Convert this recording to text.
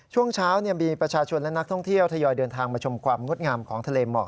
ช่วงเช้ามีประชาชนและนักท่องเที่ยวทยอยเดินทางมาชมความงดงามของทะเลหมอก